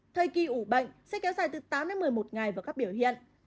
thời kỳ ủ bệnh sẽ kéo dài từ tám đến một mươi một ngày vào các biểu hiện